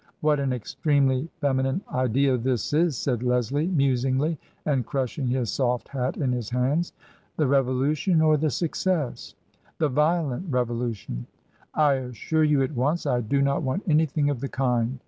"What an extremely feminine idea this is!" said Leslie, musingly, and crushing his soft hat in his hands. " The revolution ? or the success ?"" The violent revolution." " I assure you at once I do not want anything of the kind.